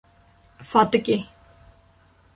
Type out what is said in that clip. Fatikê